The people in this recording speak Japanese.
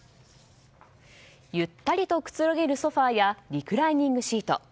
ゆったりとくつろげるソファやリクライニングシート。